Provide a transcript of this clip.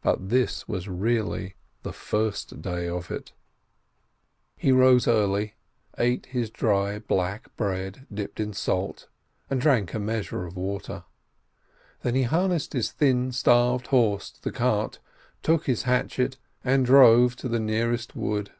But this was really the first day of it. 416 KAISIN He rose early, ate his dry, black bread dipped in salt, and drank a measure of water. Then he harnessed his thin, starved horse to the cart, took his hatchet, and drove into the nearest wood.